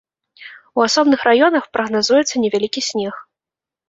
У асобных раёнах прагназуецца невялікі снег.